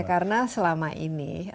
karena selama ini